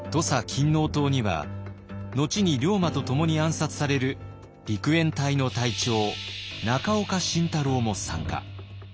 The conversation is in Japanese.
勤王党には後に龍馬と共に暗殺される陸援隊の隊長中岡慎太郎も参加。